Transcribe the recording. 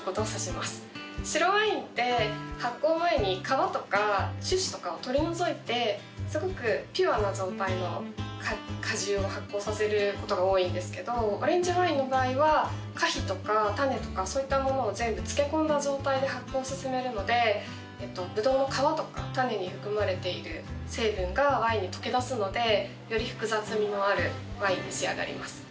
白ワインって発酵前に皮とか種子とかを取り除いてすごくピュアな状態の果汁を発酵させることが多いんですけどオレンジワインの場合は果皮とか種とかそういったものを全部漬け込んだ状態で発酵を進めるのでブドウの皮とか種に含まれている成分がワインに溶け出すのでより複雑味のあるワインに仕上がります。